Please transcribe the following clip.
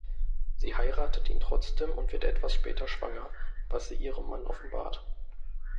Sie heiratet ihn trotzdem und wird etwas später schwanger, was sie ihrem Mann offenbart.